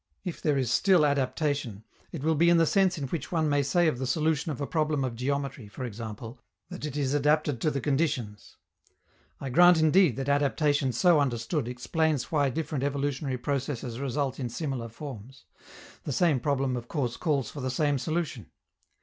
If there is still adaptation, it will be in the sense in which one may say of the solution of a problem of geometry, for example, that it is adapted to the conditions. I grant indeed that adaptation so understood explains why different evolutionary processes result in similar forms: the same problem, of course, calls for the same solution.